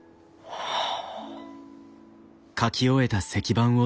はあ。